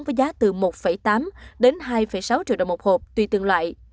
với giá từ một tám đến hai sáu triệu đồng một hộp tùy từng loại